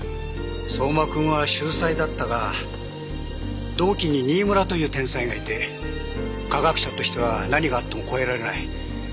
相馬君は秀才だったが同期に新村という天才がいて科学者としては何があっても超えられない。